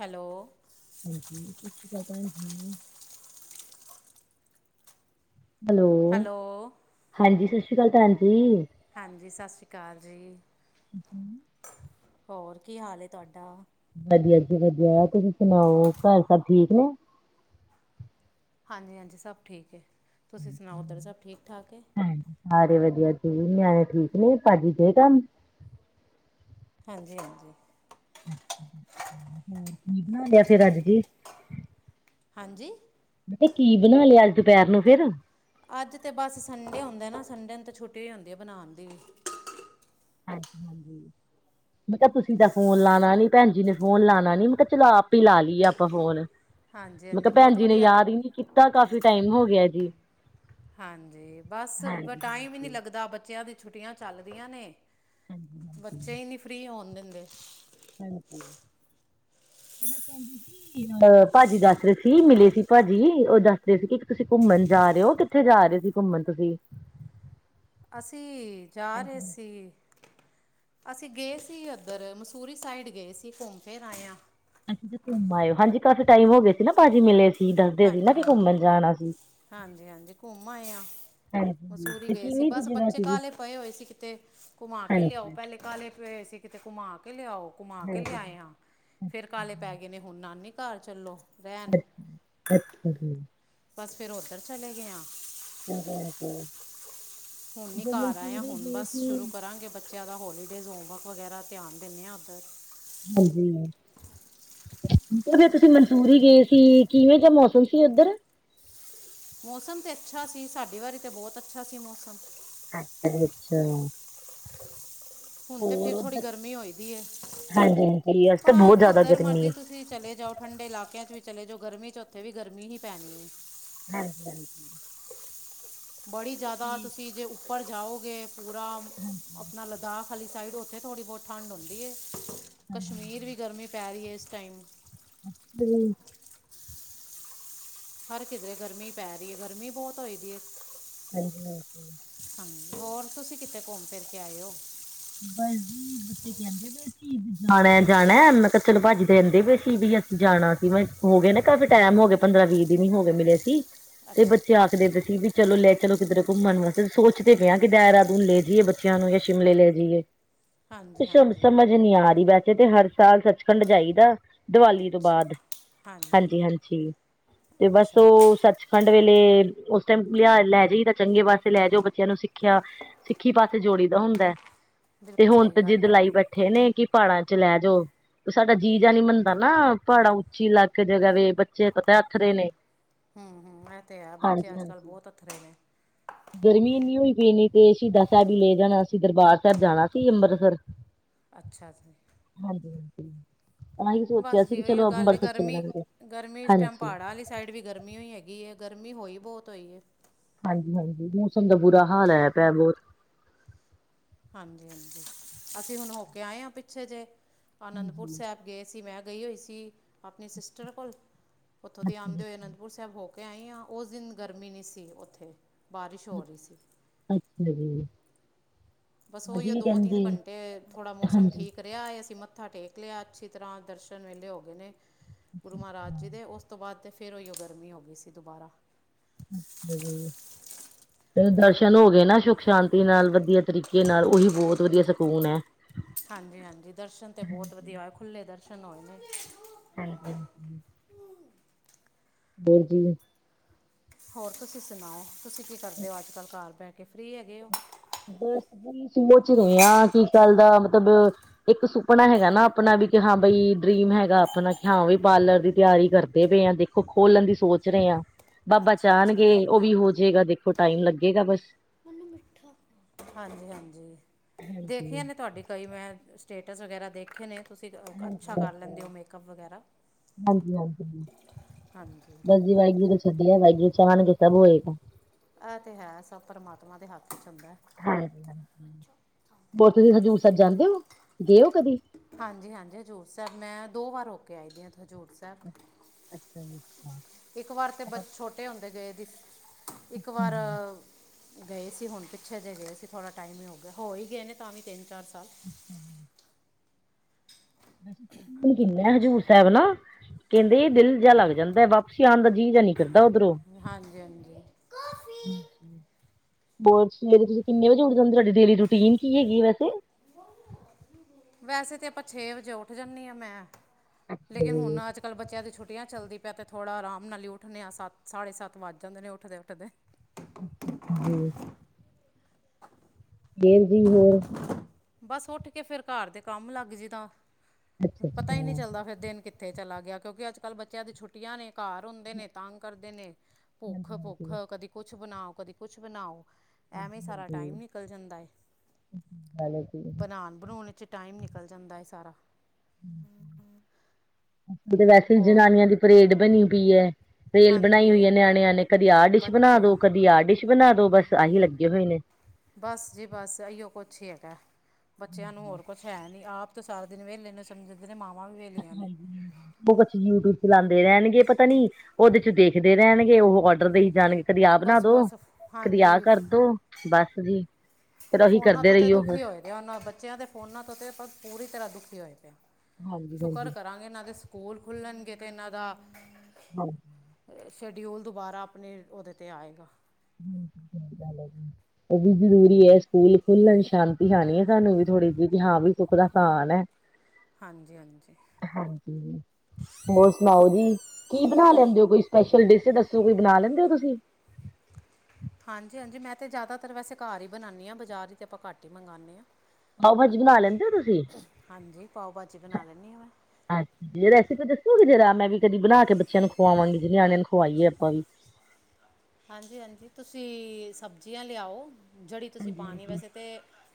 Hello. ਹਾਂਜੀ, ਸਸਸ਼੍ਰੀ ਕਾਲ ਭੈਣ ਜੀ। ਹੈਲੋ। ਹਾਂਜੀ, ਸਸਸ਼੍ਰੀ ਕਾਲ ਭੈਣ ਜੀ। ਹਾਂਜੀ। ਸਾਸਸੀ ਕਾਲ ਜੀ। ਹਮ। [unintelligible] ਹੋਰ ਕੀ ਹਾਲ ਏ ਤਾਡਾ? ਵਧੀਆ ਜੀ, ਵਧੀਆ ਤੁਸੀਂ ਸੁਣਾਓ ਘਰ ਸਭ ਠੀਕ ਨੇ? ਹਾਂਜੀ -ਹਾਂਜੀ ਸਭ ਠੀਕ ਹੈ। ਤੁਸੀਂ ਸੁਣਾਓ ਉੱਧਰ ਸਭ ਠੀਕ ਠਾਕ ਹੈ। ਹਾਜੀ ਵਧੀਆ ਜੀ, ਨਿਆਣੇ ਠੀਕ ਨੇ, ਭਾਜੀ ਗਏ ਕੰਮ ਹਾਂਜੀ ਹਾਂਜੀ। ਹੋਰ ਕੀ ਬਣਾ ਲਿਆ ਫਿਰ [unintelligible] ਅੱਜ ਜ ਹਾਂਜੀ। ਮੈ ਕੀ ਆ ਕਿ ਬਣਾ ਲਿਆ ਅੱਜ ਦੁਪਹਿਰ ਨੂੰ ਫੇਰ ਅੱਜ ਤੇ ਬਸ ਸੰਡੇ ਹੁੰਦੇ ਨਾ ਸੰਡੇ ਨੂੰ ਤਾਂ ਛੁੱਟੀ ਹੋ ਹੁੰਦੀ ਹੈ ਬਣਾਉਣ ਦੀ। ਹਾਂਜੀ- ਹਾਂਜੀ। ਮੈਂ ਕਿਹਾ ਤੁਸੀਂ ਤਾਂ ਫੋਨ ਲਾਉ ਨੀ ਭੈਣਜੀ ਨੇ ਫੋਨ ਲਾਉ ਨੀ ਮੈਂ ਕਿਹਾ ਚਲੋ ਆਪ ਹੀ ਲਾ ਲਈਏ ਆਪਾਂ ਫੋਨ ਹਾਂਜੀ ਮੈਂ ਹਾਂਜੀ ਕਿਹਾ ਭੈਣ ਬਹੁਤ ਜੀ ਨੇ ਵਧੀਆ ਕੀ ਯਾਦ ਹੀ ਨੀ ਕੀਤਾ ਕਾਫ਼ੀ ਟਾਈਮ ਹੋ ਗਿਆ ਜੀ। ਹਾਂਜੀ, ਬਸ ਬ ਟਾਈਮ ਹੀ ਹਾਂਜੀ-ਹਾਂਜੀ, ਨਹੀਂ ਲੱਗਦਾ। ਬੱਚਿਆਂ ਦੀ ਛੁੱਟੀਆਂ ਚੱਲਦੀਆਂ ਨੇ ਹਾਂਜੀ-ਹਾਂਜੀ। ਬੱਚੇ ਹਾਂਜੀ। ਹੀ ਨਹੀਂ ਫ੍ਰਰੀ ਹੋਣ ਦਿੰਦੇ। ਮੈਂ ਕਹਿੰਦੀ ਸੀ [unintelligible] ਅਹ ਭਾਜੀ ਦੱਸ ਰਹੇ ਸੀ। ਮਿਲੇ ਸੀ ਭਾਜੀ, ਔਹ ਦੱਸ ਰਹੇ ਸੀ ਕਿ ਤੁਸੀਂ ਘੁੰਮਣ ਜਾ ਰਹੇ ਹੋ ਕਿ ਕਿਥੇ ਜਾ ਰਹੇ ਸੀ ਘੁੰਮਣ ਤੁਸੀਂ। ਅਸੀਂ ਜਾ ਰਹੇ ਹਾਂਜੀ। ਸੀ। ਅਸੀਂ ਗਏ ਸੀ ਉੱਧਰ ਮਸੂਂਰੀ ਸਾਈਡ ਗਏ ਸੀ। ਘੁੰਮ ਫਿਰ ਆਏਆਂ। ਅੱਸੀ ਤੇ ਘੁੰਮ ਆਏ। ਹਾਂਜੀ ਕਾਫ਼ੀ ਟਾਈਮ ਹੋ ਗਯਾ ਸੀ ਨਾ ਭਾਜੀ ਮਿਲੇ ਸੀ। ਦੱਸਦੇ ਸੀ ਹਾਂਜੀ ਨਾ ਕਿ -ਹਾਂਜੀ- ਘੁੰਮਣ ਜਾਣਾ ਸੀ। ਹਾਂਜੀ -ਹਾਂਜੀ, ਘੁੰਮ ਆਏ ਆ। ਹਾਂਜੀ। ਮਸੂਰੀ ਤੇ ਗਏ ਸੀ। ਕਿਵੇਂ ਦੀ ਬਸ ਜਗ੍ਹਾ ਬੱਚੇ ਸੀਗੀ? ਕਾਲੇ ਪਏ ਹੋਏ ਸੀ। ਕਿਤੇ ਘੁਮਾ ਕੇ ਲਿਆਓ, ਹਾਂਜੀ। ਪਹਿਲੇ ਕਾਲੇ ਪਏ ਹੋਏ ਸੀ। ਕਿਤੇ ਘੁਮਾ ਕੇ ਲਿਆਓ ਘੁਮਾ ਕੇ ਹਾਂਜੀ। ਲਿਆਏਆ ਫੇਰ ਕਾਲੇ ਪੈ ਗਏ ਨੇ ਹੁਣ ਨਾਨੀ ਘਰ ਚੱਲੋ। ਰੈਨ। ਅੱਛਾ ਜੀ। ਬਸ ਫਿਰ ਉੱਧਰ ਚਲੇ ਗਏ ਹਾਂ। ਹਾਜੀ, ਹਾਜੀ। ਹੁਣ ਨੀ ਘਰ ਆਏਆ ਹੁਣ ਬਸ ਸੀ। ਸ਼ੁਰੂ ਕਰਾਂਗੇ। ਬੱਚਿਆਂ ਦਾ ਹੋਲੀਡੇਜ਼ ਹੋਮਵਰਕ ਵਗੈਰਾ ਧਿਆਨ ਦਿੰਦੇ ਆਾਂ ਉੱਧਰ ਹਾਂਜੀ। ਫਰ ਤੁਸੀਂ ਮਨਸੂਂਰ ਗਏ ਸੀ। ਕਿਵੇਂ ਦਾ ਮੌਸਮ ਸੀ ਔਧਰ ਮੌਸਮ ਤੇ ਅੱਛਾ ਸੀ। ਸਾਡੀ ਵਾਰੀ ਤੇ ਬਹੁਤ ਅੱਛਾ ਸੀ ਮੌਸਮ। ਅੱਛ ਜੀ ਅੱਛਾ। ਹੁਨ ਤੇ ਫਿਰ ਥੋੜ੍ਹੀ ਉੱਧਰ ਗਰਮੀ ਹੋਈ ਦੀ ਹੈ ਹਾਂਜੀ-ਹਾਂਜੀ ਅੱਜ ਤਾਂ ਭਾ ਬਹੁਤ ਜ਼ਿਆਦਾ ਜਿੱਧਰ ਗਰਮੀ ਮਰਜ਼ੀ ਹੈ। ਤੁਸੀਂ ਤੁਸੀ ਚਲੇ ਜਾਓ ਠੰਡੇ ਇਲਾਕਿਆਂ 'ਚ ਵੀ ਚਲੇ ਜਾਓ ਗਰਮੀ 'ਚ ਉੱਥੇ ਵੀ ਗਰਮੀ ਹੀ ਪੈਣੀ ਹੈ। ਹਾਂਜੀ ਹਾਂਜੀ। ਬੜੀ ਜ਼ਿਆਦਾ ਤੁਸੀਂ ਜੇ ਉੱਪਰ ਜਾਓਗੇ ਪੂਰਾ ਅਪਣਾ ਲਦਾਖ ਖਾਲੀ ਸਾਈਡ ਉੱਥੇ ਥੋੜ੍ਹੀ ਬਹੁਤ ਠੰਡ ਹੁੰਦੀ ਹੈ ਹਾਂਜੀ ਕਸ਼ਮੀਰ ਵੀ ਗਰਮੀ ਪੈ ਰਹੀ ਹੈ ਇਸ ਟਾਈਮ ਹੁ ਹਰ ਕਿਧਰੇ ਗਰਮੀ ਪੈ ਰਹੀ ਹੈ ਗਰਮੀ ਬਹੁਤ ਹੋਈ ਦੀ ਏ ਹਾਂਜੀ ਹਾਂ ਹਾਂਜੀ ਹੋਰ ਤੁਸੀਂ ਕਿੱਥੇ ਘੁੰਮ ਫਿਰ ਕੇ ਆਏ ਹੋ ਬਸ ਜੀ ਬੱਚੇ ਕਹਿੰਦੇ ਬ ਜਾਣਾ ਜਾਣਾ ਮੈਂ ਕਿਹਾ ਚਲੋ ਭਾਜੀ ਕਹਿੰਦੇ ਪਏ ਸੀ ਵੀ ਅਸੀਂ ਜਾਣਾ ਸੀ ਮੈਂ ਹੋ ਗਏ ਨਾ ਕਾਫੀ ਟਾਈਮ ਹੋਗੇ ਪੰਦਰਾਂ ਵੀਹ ਦਿਨ ਹੋ ਗਏ ਮਿਲੇ ਸੀ ਤੇ ਅੱਛਾ ਬੱਚੇ ਅੱਛਾ ਆਖਦੇ ਪਏ ਸੀ ਵੀ ਚਲੋ ਲੈ ਚਲੋ ਕਿੱਧਰ ਘੁੰਮਨ ਵਾਸਤੇ ਸੋਚਦੇ ਪਿਆ ਕਿ ਦਾਇਰਾਦੂਨ ਲੈ ਜਈਏ ਬੱਚਿਆਂ ਨੂੰ ਜਾਂ ਸ਼ਿਮਲੇ ਲੈ ਜਾ ਹਾਂਜੀ ਕੁਛ ਸਮਝ [unintelligible] ਹਾਂਜੀ ਸਮਝ ਨਹੀ ਆ ਰਹੀ ਬੈਸੇ ਤੇ ਹਰ ਸਾਲ ਸੱਚਖੰਡ ਜਾਈਦਾ ਦੀਵਾਲੀ ਤੋਂ ਅੱਛਾ ਬਾਅਦ ਹਾਂਜੀ ਹਾਂਜੀ ਤੇ ਬਸ ਅੱਛਾ ਅੱਛਾ ਉਹ ਸੱਚ ਠੰਡ ਵੇਲੇ ਉਸ ਟਾਈਮ ਲਿਆ ਲੈ ਜਾਈ ਤਾਂ ਚੰਗੇ ਪਾਸੇ ਲੈ ਜਾਓ ਬੱਚਿਆਂ ਨੂੰ ਸਿੱਖਿਆ ਸਿੱਖੀ ਪਾਸੇ ਜੋੜੀ ਦਾ ਹੁੰਦਾ। ਤੇ ਬਿਲਕੁਲ ਹੁਨ ਸਹੀ ਤੇ ਜਿਦ ਗੱਲ ਹੈ ਲਾਈ ਬੈਠੇ ਨੇ ਕਿ ਪਹਾੜਾਂ ਚ ਲੈ ਜਾਓ। ਸਾਡਾ ਜੀ ਜਿਆ ਨੀ ਮੰਨਦਾ ਨਾ ਪਹਾੜਾ ਉੱਚੀ ਅਲੱਗ ਜਗ੍ਹਾ ਵੇ ਬੱਚੇ ਪਤਾ ਅੱਥਰੇ ਨੇ। [inaudible] ਹੂੰ ਇਹ ਤੇ ਹੈ ਬੱਚੇ ਹਾਂਜੀ ਅੱਜ ਕੱਲ੍ਹ ਹਾਂਜੀ ਬਹੁਤ ਅੱਥਰੇ ਨੇ। ਗਰਮੀ ਇੰਨੀ ਹੋਈ ਪਈ ਨਹੀ ਤੇ ਸ਼ਹੀਦਾਂ ਸਾਹਿਬ ਹੀ ਲੈ ਜਾਣਾ ਸੀਂ ਦਰਬਾਰ ਸਾਹਿਬ ਜਾਣਾ ਸੀ ਅੰਮ੍ਰਿਤਸਰ ਅੱਛਾ ਜੀ। ਹਾਂਜੀ ਹਾਂਜੀ। ਆਹੀ ਸੋਚਿਆ ਬਸ ਸੀ ਜੀ ਕਿ ਉਹੀਓ ਚਲੋ ਗੱਲ ਏ ਅੰਮ੍ਰਿਤਸਰ ਗਰਮੀ ਚੱਲਾਂਗੇ ਗਰਮੀ ਇਸ ਟਾਈਮ ਹਾਂਜੀ ਪਹਾੜਾ ਆਲੀ ਸਾਈਡ ਵੀ ਗਰਮੀ ਹੋਈ ੳ ਹੈਗੀ ਹੈ ਗਰਮੀ ਹੋਈ ਬਹੁਤ ਹੋਈ ਹੈ ਹਾਂਜੀ ਹਾਂਜੀ ਮੌਸਮ ਦਾ ਬੁਰਾ ਹਾਲ ਹੋਆ ਪਿਆ ਬਹੁਤ ਹਾਂਜੀ ਹਾਂਜੀ ਅਸੀਂ ਹੁਨ ਹੋ ਕੇ ਆਏ ਹਾਂ ਪਿੱਛੇ ਜਿਹੇ ਅਨੰਦਪੁਰ ਹਾਂਜੀ ਸਾਹਿਬ ਗਏ ਸੀ ਮੈਂ ਗਈ ਹੋਈ ਸੀ ਅਪਣੀ ਸਿਸਟਰ ਕੋਲ ਉੱਥੋਂ ਦੇ ਅੱਛਾ ਆਉਂਦੇ ਹੋਏ ਜੀ ਅਨੰਦਪੁਰ ਸਾਹਿਬ ਹੋ ਕੇ ਮੈਂ ਆਈ ਹਾਂ ਉਸ ਦਿਨ ਗਰਮੀ ਨਹੀਂ ਸੀ ਉੱਥੇ ਬਾਰਿਸ਼ ਹੋ ਰਹੀ ਸੀ। ਅੱਛਾ ਜੀ। ਬਸ ਅਜੀ ਉਹੀਓ ਵੀ ਦੋ ਕਹਿੰਦੇ ਤਿੰਨ ਘੰਟੇ ਥੋੜ੍ਹਾ ਮੌਸਮ ਹਾਂਜੀ ਠੀਕ ਰਿਹਾ ਏ ਅਸੀਂ ਮੱਥਾ ਟੇਕ ਲਿਆ ਅੱਛੀ ਤਰ੍ਹਾਂ ਦਰਸ਼ਨ ਵੇਲੇ ਹੋ ਗਏ ਨੇ ਗੁਰੂ ਮਹਾਰਾਜ ਜੀ ਹਾਂ, ਦੇ ਉਸ ਤੋਂ ਬਾਅਦ ਫੇਰ ਉਹੀਓ ਗਰਮੀ ਹੋ ਗਈ ਸੀ ਦੁਬਾਰਾ। ਅੱਛਾ ਜੀ। ਤੇਨੂੰ ਦਰਸ਼ਨ ਹੋ ਗਏ ਨਾ ਸੁਖ ਸ਼ਾਂਤੀ ਨਾਲ ਵਧੀਆ ਤਰੀਕੇ ਨਾਲ ਉਹੀ ਬਹੁਤ ਵਧੀਆ ਸਕੂਨ ਹੈ। ਹਾਂਜੀ ਹਾਂਜੀ ਦਰਸ਼ਨ ਤਾਂ ਬਹੁਤ ਵਧੀਆ ਹੋਏ ਖੁੱਲ੍ਹੇ ਦਰਸ਼ਨ ਹੋਏ ਨੇ। ਹਾਂਜੀ ਹਾਂਜੀ ਹੋਰ ਜੀ। ਹੋਰ ਤੁਸੀਂ ਸੁਨਾਓ ਤੁਸੀਂ ਕੀ ਕਰਦੇ ਹੋ ਅੱਜ ਕੱਲ੍ਹ ਘਰ ਬਹਿ ਕੇ ਫ੍ਰਰੀ ਹੈਗੇ ਹੋ। ਬਸ ਸੋਚ ਰਹੇ ਹਾਂ ਕੀ ਗੱਲ ਦਾ ਮਤਲਬ ਇੱਕ ਸੁਪਨਾ ਹੈਗਾ ਨਾ ਅਪਨਾ ਵੀ ਕਿ ਹਾਂ ਬਈ ਡਰੀਮ ਹੈਗਾ ਅਪਨਾ ਕਿ ਹਾਂ ਵੀ ਪਾਰਲਰ ਦੀ ਤਿਆਰੀ ਕਰਦੇ ਪਏ ਆ ਦੇ ਖੋ ਖੋਲਨ ਦੀ ਸੋਚ ਰਹੇ ਆ ਬਾਬਾ ਅੱਛਾ ਅੱਛਾ ਚਾਹਣਗੇ ਉਹ ਵੀ ਹੋ ਜਾਏਗਾ ਦੇਖੋ ਟਾਈਮ ਲੱਗੇਗਾ ਬਸ। ਮੰਮੀ ਮਿੱਠਾ। ਹਾਂਜੀ ਹਾਂਜੀ ਹਾਂਜੀ ਦੇਖੀਆਂ ਨੇ ਤੁਹਾਡੀ ਕਈ ਮੈਂ ਸਟੇਟਸ ਵਗੈਰਾ ਦੇਖੇ ਨੇ। ਤੁਸੀਂ ਅੱਛਾ ਹਾਂਜੀ ਹਾਂਜੀ ਕਰ ਲੈਂਦੇ ੳ ਮੇਕਅੱਪ ਵਗੈਰਾ ਹਾਂਜੀ ਹਾਂਜੀ ਹਾਂਜੀ। ਬਸ ਜੀ ਵਾਹਿਗੁਰੂ ਨੇ ਸੱਦੇਆ ਵਾਹਿਗੁਰੂ ਚਾਹਨਗੇ ਸਭ ਹੋਏਗਾ। ਇਹ ਤੇ ਹੈ ਸਭ ਪਰਮਾਤਮਾ ਦੇ ਹੱਥ ਇਚ ਹੁੰਦਾ। ਹਾਂਜੀ ਹ ਹੋਰ ਤੁਸੀਂ ਹਜ਼ੂਰ ਸਾਹਿਬ ਜਾਂਦੇ ਹੋ ਗਏ ਹੋ ਕਦੀ। ਹਾਂਜੀ- ਹਾਂਜੀ ਹਜ਼ੂਰ ਸਾਹਿਬ ਮੈਂ ਦੋ ਵਾਰ ਹੋ ਕੇ ਆਈ ਦੀ ਹਾਂ ਹਜ਼ੂਰ ਸਾਹਿਬ ਅੱਛਾ ਜੀ ਅੱਛਾ। ਇੱਕ ਵਾਰ ਤੇ ਆਪਾਂ ਬੱਚੇ ਛੋਟੇ ਹੁੰਦੇ ਗਏ ਸੀ। ਇੱਕ ਵਾਰ ਹੁਣ ਗਏ ਸੀ ਹੁਣ ਪਿੱਛੇ ਜਿਹੇ ਗਏ ਸੀ ਥੋੜਾ ਟਾਈਮ ਹੀ ਹੋ ਗਿਆ ਹੋ ਹੀ ਗਏ ਨੇ ਤਾਂ ਵੀ ਤਿੰਨ ਚਾਰ ਸਾਲ ਕਿੰਨਾ ਹਜ਼ੂਰ ਸਾਹਿਬ ਨਾ ਕਹਿੰਦੇ ਦਿਲ ਜਿਹਾ ਲੱਗ ਜਾਂਦਾ ਵਾਪਸੀ ਆਉਣ ਦਾ ਜੀਅ ਜਿਹਾ ਨਹੀ ਕਰਦਾ ਉੱਧਰੋਂ ਹਾਂਜੀ ਹਾਂਜੀ [inaudible] ਹੋਰ ਸਵੇਰੇ ਤੁਸੀਂ ਕਿਨੇ ਵਜੇ ਉਠ ਜਾਂਦੇ ਤੁਹਾਡੀ ਡੇਲੀ ਰੂਟੀਨ ਕੀ ਹੈਗੀ ਹੈ ਵੈਸੇ ਵੈਸੇ ਤਾਂ ਆਪਾਂ ਛੇ ਵਜੇ ਉੱਠ ਜਾਂਦੀ ਹਾਂ ਮੈਂ ਅੱਛਾ ਲੇਕਿਨ ਹੁਣ ਜੀ। ਅੱਜ ਕੱਲ੍ਹ ਬੱਚਿਆਂ ਦੀ ਛੁੱਟ ਚੱਲਦੀ ਪ ਅਤੇ ਥੋੜ੍ਹਾ ਆਰਾਮ ਨਾਲ ਉੱਠ ਹਾਂ ਸੱਤ ਸਾਢੇ ਸੱਤ ਵੱਜ ਜਾਂਦੇ ਨੇ ਉੱਠਦੇ - ਉੱਠਦੇ। [unintelligible] [unintelligible] ਬੱਸ ਉੱਠ ਕੇ ਫਿਰ ਘਰ ਦੇ ਕੰਮ ਲੱਗ ਜਾਈ ਦਾ ਅੱਛਾ ਪਤਾ ਅੱਛਾ ਹੀ ਨਹੀਂ ਹਾਂਜੀ ਚੱਲਦਾ ਫਿਰ ਦਿਨ ਕਿਤੇ ਇੱਥੇ ਚਲਾ ਗਿਆ ਕਿਉਂਕਿ ਅੱਜ ਕੱਲ੍ਹ ਬੱਚਿਆਂ ਦੀ ਛੁੱਟੀਆਂ ਨੇ ਘਰ ਹੁੰਦੇ ਨੇ ਤੰਗ ਕਰਦੇ ਨੇ ਭੁੱਖ ਹਾਂਜੀ - ਭੁੱਖ ਕਦੀ ਕੁੱਛ ਬਣਾਓ ਕਦੀ ਕੁੱਛ ਬਣਾਓ ਐਵੇਂ ਹੀ ਹਾਂਜੀ ਸਾਰਾ ਹਾਂਜੀ ਟਾਈਮ ਨਿਕਲ ਜਾਂਦਾ ਏ। [unintelligible] ਬਣਾਉਣ- ਬਣਾਉਣ ਚ ਟਾਈਮ ਨਿਕਲ ਜਾਂਦਾ ਹੈ ਸਾਰਾ ਤੇ ਵੈਸੇ ਹੀ ਹੋਰ ਜਨਾਨੀਆਂ ਦੀ ਪਰੇਡ ਬਣੀ ਪਈ ਹੈ। ਰੇਲ ਬਣਾਈ ਹਾਂਜੀ ਹੋਈ ਹੈ ਹਾਂਜੀ ਨਿਆਣਿਆਂ ਨੇ ਕਦੀ ਆਹ ਡਿਸ਼ ਬਣਾ ਬੱਚੇ ਦੋ ਕਦੀ ਆਹ ਡਿਸ਼ ਬਣਾਦੋ ਬਸ ਆਹੀ ਲੱਗੇ ਹੋਏ ਨੇ। ਬਸ ਜੀ ਬਸ ਇਹੀਓ ਕੁਛ ਠੀਕ ਹੈ ਬੱਚਿਆਂ ਨੂੰ ਹੋਰ ਕੁਛ ਹੈ ਨਹੀਂ ਆਪ ਸਾਰਾ ਦਿਨ ਵਹਲੇ ਨੂੰ ਜਦੇ ਨੇ ਮਾਵਾਂ ਵੀ ਵਿਹਲੀਆਂ ਨੇ ਹਾਂਜੀ ਉਹ ਕੁਛ ਯੂਟਿਊਬ ਚਲਾਉਂਦੇ ਰਹਿਣਗੇ ਪਤਾ ਨੀ ਉਹਦੇ ਚ ਦੇਖ ਖਡਦੇ ਰਹਿਣਗੇ ਉਹ ਔਡਰ ਦਈ ਜਾਣਗੇ ਕਦੀ ਆਹ ਬਣਾ ਬਸ ਦੋ ਬਸ ਕਦੀ ਆਹ ਹਾਂਜੀ ਕਰਦੋ। ਬਸ ਜੀ। ਫੇਰ ਉਹੀ ਫੋਨਾਂ ਕਰਦੇ ਤੋਂ ਤਾਂ ਰਹੀਓ ਦੁਖੀ ਬਸ। ਹੋਏ। ਇਹਨਾਂ ਬੱਚਿਆਂ ਦੇ ਫੋਨਾਂ ਤੋਂ ਤਾਂ ਆਪਾਂ ਪੂਰੀ ਤਰ੍ਹਾਂ ਦੁਖੀ ਹੋਏ ਪਏ ਹਾਂ ਹਾਂਜੀ ਸ਼ੁਕਰ ਹਾਂਜੀ ਕਰਾਂਗੇ ਇਹਨਾਂ ਦੇ ਸਕੂਲ ਸਕੂਲ ਖੁੱਲ੍ਹਣਗੇ ਤੇ ਇਹਨਾਂ ਦਾ [unintelligible] ਸ਼ਡਿਊਲ ਦੁਬਾਰਾ ਆਪਣੇ ਉਹਦੇ 'ਤੇ ਆਏਗਾ। [unintelligible] ਉਹ ਵੀ ਜ਼ਰੂਰੀ ਹੈ ਸਕੂਲ ਖੁੱਲਣ ਸ਼ਾਂਤੀ ਆਣੀ ਹੈ ਸਾਨੂੰ ਵੀ ਥੋੜੀ ਜਿਹੀ ਹਾਂ ਵੀ ਸੁੱਖ ਦਾ ਸਾਹ ਆਣਾ ਹੈ। [unintelligible] ਹਾਂਜੀ- ਹਾਂਜੀ। ਹਾਂਜੀ। ਹੋਰ ਸੁਣਾਓ ਜੀ ਕੀ ਬਣਾ ਲੈਂਦੇ ਹੋ ਕੋਈ ਸਪੈਸ਼ਲ ਡਿਸ਼ ਦੱਸੋ ਕੋਈ ਬਣਾ ਲੈਂਦੇ ਹੋ ਤੁਸੀਂ। ਹਾਂਜੀ- ਹਾਂਜੀ ਮੈਂ ਤੇ ਜ਼ਿਆਦਾਤਰ ਵੈਸੇ ਘਰ ਹੀ ਬਣਾਉਂਣੀ ਹਾਂ। ਬਾਜ਼ਾਰ ਹੀ ਤੇ ਆਪਾਂ ਘੱਟ ਹੀ ਮੰਗਵਾਉਂਦੇ ਹਾਂ। ਪਾਓ ਭਾਜੀ ਬਣਾ ਲੈਂਦੇ ਹੋ ਤੁਸੀਂ ਹਾਂਜੀ। ਪਾਓ ਭਾਜੀ ਬਣਾ ਲੈਂਦੀ ਹਾਂ ਮੈਂ। ਅੱਛਾ ਜੀ ਰੈਸੀਪੀ ਦੱਸੋਗੀ ਜਰਾ ਮੈਂ ਵੀ ਕਦੀ ਬਣਾ ਕੇ ਬੱਚਿਆਂ ਨੂੰ ਖੁਵਾਵਾਂਗੀ ਜੀ ਨਿਆਣਿਆਂ ਨੂੰ ਖਵਾਈਏ ਆਪਾਂ ਵੀ। ਹਾਂਜੀ- ਹਾਂਜੀ ਤੁਸੀਂ ਸਬਜ਼ੀਆਂ ਲਿਆਓ ਜਿਹੜੀ ਤੁਸੀਂ ਹਾਂਜੀ ਪਾਉਣੀ ਵੈਸੇ ਤਾਂ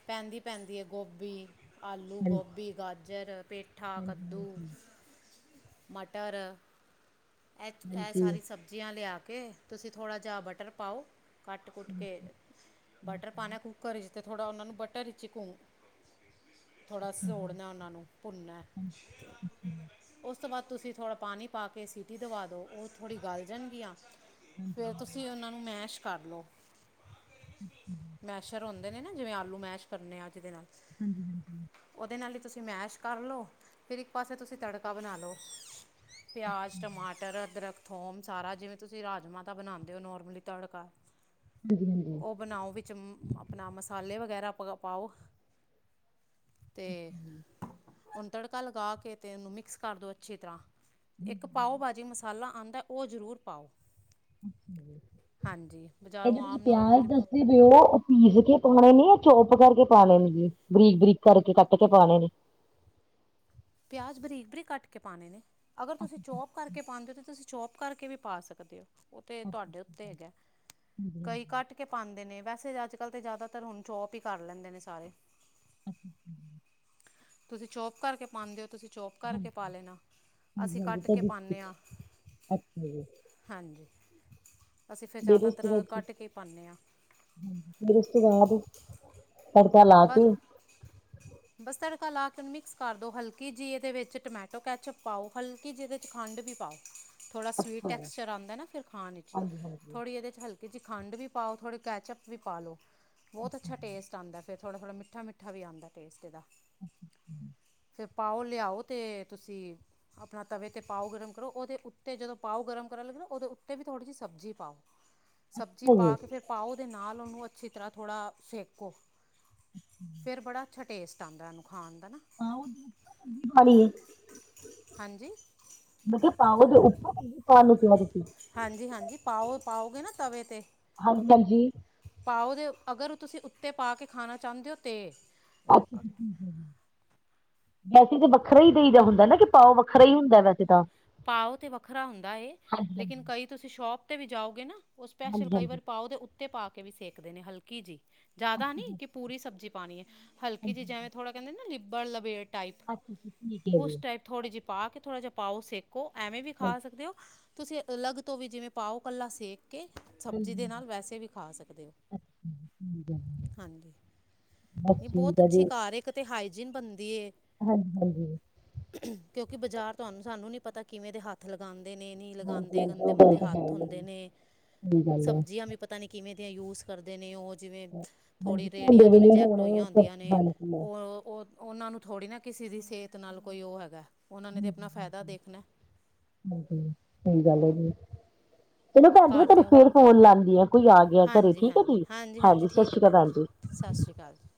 ਪੈਂਦੀ- ਪੈਂਦੀ ਹੈ ਗੋਭੀ, ਆਲੂ, ਹਾਂਜੀ ਗੋਭੀ, ਗਾਜਰ, ਪੇਠਾ। ਪੇਠਾ, ਹਾਂਜੀ ਕੱਦੂ, ਮਟਰ ਇਹ ਇਹ ਹਾਂਜੀ ਹਾਂਜੀ ਹਾਂਜੀ ਸਾਰੀ ਸਬਜ਼ੀਆਂ ਲਿਆ ਕੇ ਤੁਸੀਂ ਥੋੜ੍ਹਾ ਜਿਹਾ ਬਟਰ ਪਾਓ। ਕੱਟ ਕੁੱਟ ਕੇ ਬਟਰ ਅੱਛਾ ਪਾਉਣਾ ਕੁੂੱਕਰ 'ਚ ਅਤੇ ਥੋੜ੍ਹਾ ਉਹਨਾਂ ਨੂੰ ਬਟਰ ਵਿੱਚ ਹੀ ਘੁੰ ਥੋੜਾ ਜੀ ਸੋੜਨਾ ਉਹਨਾ ਨੂੰ ਭੁੰਨਣਾ ਅੱਛਾ ਅੱਛਾ ਉਸ ਤੋਂ ਬਾਅਦ ਤੁਸੀਂ ਥੋੜ੍ਹਾ ਪਾਣੀ ਪਾ ਕੇ ਸੀਟੀ ਦਵਾ ਦਿਉ ਉਹ ਥੋੜ੍ਹੀ ਗਲ ਜਾਣਗੀਆਂ। ਹਾਂਜੀ ਫਿਰ ਤੁਸੀਂ ਹਾਂਜੀ ਉਹਨਾਂ ਨੂੰ ਮੈਸ਼ ਕਰ ਲਓ। ਮੈਸ਼ਰ ਹੁੰਦੇ ਨੇ ਨਾ ਜਿਵੇਂ ਆਲੂ ਮੈਸ਼ ਕਰਨੇ ਆ ਅੱਜ ਦੇ ਨਾਲ ਹਾਂਜੀ- ਹਾਂਜੀ। ਉਹਦੇ ਨਾਲ ਈ ਤੁਸੀਂ ਮੈਸ਼ ਕਰ ਲੋ ਫਿਰ ਇੱਕ ਪਾਸੇ ਤੁਸੀਂ ਤੜਕਾ ਬਨਾ ਲੋ ਪਿਆਜ਼ ਅੱਛਾ ਜੀ ਅਦੱਰਕ ਥੋਮ ਸਾਰਾ ਜਿਵੇਂ ਤੁਸੀਂ ਰਾਜਮਾਂ ਦਾ ਬਨਾਂਦੇ ਓ ਨੋਰਮਲੀ ਤੜਕਾ। [unintelligible] ਓ ਬਨਾਓ ਵਿੱਚ ਅਪਨਾ ਮਸਾਲੇ ਵਗੈਰਾ ਪਾ ਪਾਓ। ਤੇ ਓਨੂੰ ਤੜਕਾ ਲਗਾ ਕੇ ਤੇ ਓਨੂੰ ਮਿਕਸ ਕਰ ਦੋ ਅੱਛੀ ਤਰ੍ਹਾਂ। [inaudible] ਇੱਕ ਪਾਓ ਭਾਜੀ ਮਸਾਲਾ ਆਂਦਾ ਓ ਜ਼ਰੂਰ ਪਾਓ। ਹਾਂਜੀ, ਬਜ਼ਾਰੋਂ ਆਮ ਨੋਰਮਲ ਜੇੜਾ ਓ ਪੀਸ ਕੇ ਪਾਉਣੇ ਨੇ ਯਾ ਚੋਪ ਕਰਕੇ ਪਾਣੇ ਨੇ ਜੀ ਬਰੀਕ-ਬਰੀਕ ਕਰਕੇ ਕੱਟ ਕੇ ਪਾਣੇ ਨੇ? ਪਿਆਜ਼ ਬਰੀਕ-ਬਰੀਕ ਕੱਟ ਕੇ ਪਾਨੇ ਨੇ, ਅਗਰ ਤੁਸੀਂ ਅੱਛਾ ਅੱਛਾ ਚੋਪ ਕਰ ਅੱਛਾ ਕੇ ਪਾਂਦੇ ਓ ਤੇ ਤੁਸੀਂ ਚੋਪ ਕਰਕੇ ਵੀ ਪਾ ਸਕਦੇ ਓ। ਓ ਤੇ ਅੱਛਾ ਤੁਹਾਡੇ ਉਤੇ ਅੱਛਾ, ਹੈਗਾ, ਹਾਂਜੀ ਕਈ ਹਾਂਜੀ ਕੱਟ ਕੇ ਪਾਂਦੇ ਨੇ, ਵੈਸੇ ਅੱਜ ਕੱਲ੍ਹ ਤੇ ਜ਼ਿਆਦਾਤਰ ਹੁਨ ਚੋਪ ਈ ਕਰ ਲੈਂਦੇ ਨੇ ਸਾਰੇ। [unintelligible] ਤੁਸੀ ਚੋਪ ਕਰਕੇ ਪਾਂਦੇ ਓ ਤੁਸੀ ਚੋਪ ਕਰਕੇ ਹਾਂਜੀ ਪਾ ਲੈਨਾ, ਹਾਂਜੀ ਅਸੀਂ ਹਾਂਜੀ ਕੱਟ ਕੇ ਕਦੀ ਪਾਨੇ ਕੁਛ ਆਂ। ਅੱਛਾ ਜੀ ਹਾਂਜੀ, ਅਸੀਂ ਫਿਰ ਜ਼ਿਆਦਾਤਰ ਕੱਟ ਕੇ ਈ ਪਾਨੇ ਆਂ। ਫਿਰ ਉਸ ਤੋਂ ਬਾਦ ਤੜਕਾ ਲਾ ਕੇ ਬੱਸ ਤੜਕਾ ਲਾਕੇ ਮਿਕਸ ਕਰ ਦੋ, ਹਲਕੀ ਜੀ ਏਦੇ ਵਿੱਚ ਟਮੈਟੋ ਕੈਚਅੱਪ ਪਾਓ। ਹਲਕੀ ਜੀ ਈਦੇ 'ਚ ਖੰਡ ਵੀ ਪਾਓ। ਥੋੜਾ ਸਵੀਟ ਅੱਛਾ ਜੀ ਟੈਕਸਚਰ ਆਂਦਾ ਨਾ ਫਿਰ ਖਾਣ 'ਚ ਹਾਂਜੀ ਹਾਂਜੀ ਥੋੜੀ ਏਦੇ 'ਚ ਹਲਕੀ ਕਿ ਜੀ ਖੰਡ ਵੀ ਪਾਓ, ਥੋੜ੍ਹੇ ਕੈਚਅੱਪ ਵੀ ਪਾ ਲੋ, ਬੋਤ ਅੱਛਾ ਟੇਸਟ ਆਂਦਾ ਐ। ਫਿਰ ਥੋੜਾ-ਥੋੜਾ, ਮਿੱਠਾ-ਮਿੱਠਾ ਵੀ ਆਂਦਾਂ ਟੇਸਟ ਓਦਾ। ਹੂੰ। ਫੇਰ ਪਾਓ ਲਿਆਓ ਤੇ ਤੁਸੀ ਅਪਣਾ ਤਵੇ ਤੇ ਪਾਓ ਗਰਮ ਕਰੋ, ਓਦੇ ਉੱਤੇ ਜਦੋਂ ਪਾਓ ਗਰਮ ਕਰਨ ਲੱਗੇ ਨਾ ਓਦੇ ਉੱਤੇ ਵੀ ਥੋੜ੍ਹੀ ਜੀ ਸਬਜ਼ੀ ਪਾਓ। ਸਬਜ਼ੀ ਪਾ ਹਾਂਜੀ ਕੇ ਫੇਰ ਪਾਓ ਦੇ ਨਾਲ ਓਨੂੰ ਅੱਛੀ ਤਰ੍ਹਾਂ ਥੋੜ੍ਹਾ ਸੇਕੋ। ਫੇਰ ਬੜਾ ਅੱਛਾ ਟੇਸਟ ਆਂਦਾ ਏਨੂੰ ਖਾਨ ਦਾ ਨਾ। ਹਾਂਜੀ [unintelligible] ਮੈਂ ਕਯਾ ਪਾਓ ਦੇ ਉਪਰ ਸਬਜ਼ੀ ਪਾਨ ਨੂੰ ਕਯਾ ਤੁਸੀ। ਹਾਂਜੀ-ਹਾਂਜੀ, ਪਾਓ ਪਾਓਗੇ ਨਾ ਤਵੇ ਤੇ। ਹਾਂਜੀ ਹਾਂਜੀ ਪਾਓ ਦੇ ਅਗਰ ਤੁਸੀ ਉੱਤੇ ਪਾ ਕੇ ਖਾਨਾ ਚਾਹੁੰਦੇ ਓ ਤੇ। [unintelligible] ਹੂੰ, ਵੈਸੇ ਤੇ ਵੱਖਰਾ ਈ ਦੇਈ ਦਾ ਹੁੰਦਾ ਨਾ ਕਿ ਪਾਓ ਵੱਖਰਾ ਈ ਹੁੰਦਾ ਵੈਸੇ ਤਾਂ। ਪਾਓ ਤੇ ਵੱਖਰਾ ਹੁੰਦਾ ਏ, ਹਾਂਜੀ ਲੇਕਿਨ ਹਾਂਜੀ ਕਈ ਤੁਸੀ ਸ਼ੋਪ ਤੇ ਵੀ ਜਾਓਗੇ ਨਾ ਓ ਸਪੈਸ਼ਲ ਹਾਂਜੀ ਕਈ ਹਾਂਜੀ ਵਾਰੀ ਪਾਓ ਦੇ ਉੱਤੇ ਪਾ ਕੇ ਵੀ ਸੇਕਦੇ ਨੇ ਹਲਕੀ ਜੀ। ਜਾਦਾ ਅੱਛਾ ਨੀ ਜੀ ਕਿ ਪੂਰੀ ਸਬਜ਼ੀ ਪਾਣੀ ਏ, ਹਲਕੀ ਜੀ ਅੱਛਾ ਜੈਵੇਂ ਥੋੜਾ ਕਹਿੰਦੇ ਨੇ ਲਿਬੜ ਲਬੇੜ। ਟਾਈਪ, ਅੱਛਾ ਜੀ, ਠੀਕ ਹੈ ਜੀ ਉਸ ਟਾਈਪ ਥੋੜ੍ਹੀ ਜਿ ਪਾ ਕੇ ਥੋੜਾ ਜਿਹਾ ਪਾਓ ਸੇਕੋ, ਐਵੇਂ ਵੀ ਖਾ ਹਾਂਜੀ ਸਕਦੇ ਓ। ਤੁਸੀ ਅਲੱਗ ਤੋਂ ਵੀ ਜਿਵੇਂ ਪਾਓ ਕੱਲਾ ਸੇਕ ਕੇ ਹਾਂਜੀ ਸਬਜ਼ੀ ਦੇ ਹਾਂਜੀ, ਨਾਲ ਵੈਸੇ ਵੀ ਖਾ ਸਕਦੇ ਓ। ਠੀਕ ਹੈ ਜੀ। ਹਾਂਜੀ, ਬਸ ਨਈ ਬੋਤ ਠੀਕ ਹੈ ਅੱਛੀ ਘਰ ਏਕ ਤੇ ਹਾਈਜੀਨ ਬਨਦੀ ਏ। ਹਾਂਜੀ-ਹਾਂਜੀ। ਕਿਉਂਕਿ ਬਜ਼ਾਰ ਤੁਹਾਨੂੰ ਸਾਨੂੰ ਨੀ ਪਤਾ ਕਿਵੇਂ ਦੇ ਹੱਥ ਹੱਥ ਲਗਾਂਦੇ ਨੇ, ਨੀ ਹਾਂਜੀ ਲਗਾਂਦੇ ਹਾਂਜੀ ਗੰਦੇ ਉਹ ਗੱਲ ਮੰੰਦੇ ਤਾਂ ਹੈ ਹੱਥ ਹੀ ਆ ਹੋਂਦੇ ਜੀ ਨੇ, ਸਹੀ ਗੱਲ ਹੈ ਸਬਜ਼ੀਆਂ ਵੀ ਪਤਾ ਨੀ ਕਿਵੇਂ ਦਿਆਂ ਯੂਜ਼ ਕਰਦੇ ਨੇ ਓ? ਜਿਵੇਂ ਹਾਂਜੀ ਥੋੜੀ ਰੇਹੜੀਆਂ ਧੋਂਦੇ ਤੋਂ ਵੇਲੇ ਰਿਜੈਕਟ ਹੋਣੇ ਹੋਈਆਂ ਉਹ ਤਾਂ ਹੁੰਦੀਆਂ ਨੇ ਹਾਂਜੀ ਓ, ਓ ਓਨਾਂ ਨੂੰ ਥੋੜ੍ਹੀ ਨਾ ਕਿਸੇ ਦੀ ਸਿਹਤ ਨਾਲ ਕੋਈ ਓ ਹੈਗਾ ਐ, ਓਨਾਂ ਨੇ ਤੇ ਅਪਨਾ ਫੈਦਾ ਦੇਖ ਹਾਂਜੀ, ਸਈ ਗੱਲ ਐ ਜੀ। ਚਲੋ ਭੈਨ ਜੀ ਮੈਂ ਘਰ ਤੁਹਾਨੂੰ ਤੇ ਆਓ ਫੇਰ ਫੋਨ ਲਾਨੀ ਆਂ, ਕੋਈ ਆ ਗਿਆ ਘਰੇ ਹਾਂਜੀ ਠੀਕ ਐ ਜੀ, ਹਾਂਜੀ, ਸਤਿ ਸ਼੍ਰੀ ਅਕਾਲ ਭੈਨ ਜੀ। ਸਸ ਸ਼੍ਰੀ ਅਕਾਲ ਜੀ।